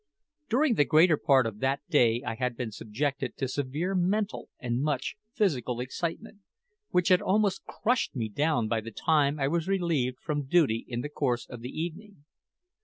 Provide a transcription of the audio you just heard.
During the greater part of that day I had been subjected to severe mental and much physical excitement, which had almost crushed me down by the time I was relieved from duty in the course of the evening.